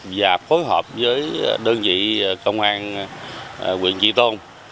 và phối hợp với đơn vị công an quyền trị tôn